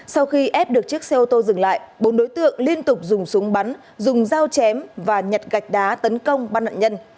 sau khi ép được chiếc xe ô tô dừng lại bốn đối tượng liên tục dùng súng bắn dùng dao chém và nhặt gạch đá tấn công bắt nạn nhân